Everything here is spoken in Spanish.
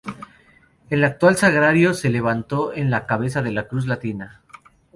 El actual sagrario, se levantó en la cabeza de la cruz latina.